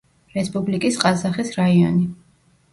რესპუბლიკის ყაზახის რაიონი.